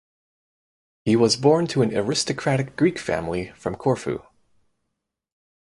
He was born to an aristocratic Greek family from Corfu.